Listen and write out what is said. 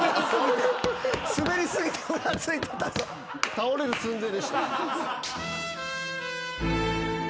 倒れる寸前でした。